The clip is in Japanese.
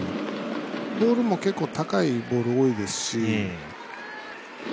ボールも結構、高いボール多いですし。